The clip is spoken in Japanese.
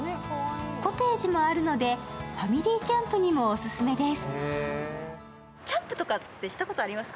コテージもあるので、ファミリーキャンプにもオススメです。